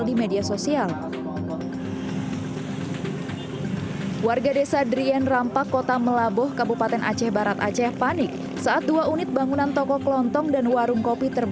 pada selasa siang sejumlah sukarelawan pun memberi bantuan uang untuk modal tambahan itu menjadi viral